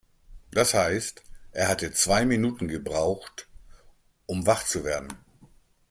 Das heißt, er hatte zwei Minuten gebraucht, um wach zu werden.